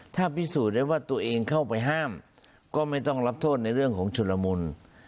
ถ้าพิสูจน์ได้ว่าตัวเองเข้าไปห้ามก็ไม่ต้องรับโทษในเรื่องของชุดละมุน